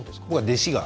弟子が。